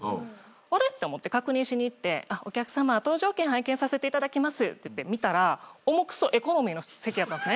あれ？って思って確認しに行ってお客さま搭乗券拝見させていただきますって言って見たらおもクソエコノミーの席やったんすね。